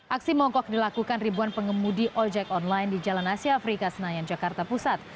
aksi mogok dilakukan ribuan pengemudi ojek online di jalan asia afrika senayan jakarta pusat